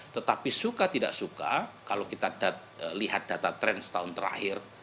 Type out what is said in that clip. tetapi suka tidak suka kalau kita lihat data tren setahun terakhir